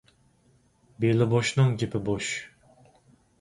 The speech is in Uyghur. بېلى بوشنىڭ گېپى بوش.